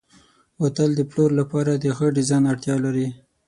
بوتل د پلور لپاره د ښه ډیزاین اړتیا لري.